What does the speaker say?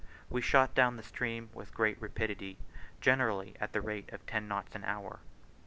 We shot down the stream with great rapidity, generally at the rate of ten knots an hour.